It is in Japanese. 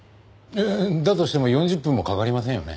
だとしても４０分もかかりませんよね？